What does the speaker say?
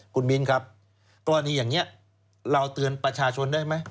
คุณมิ้นครับกรณีอย่างนี้เราเตือนประชาชนได้ไหม